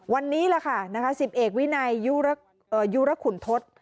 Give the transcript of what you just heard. วันนี้ล่ะค่ะ๑๐เอกวินัยยุรขุนทศ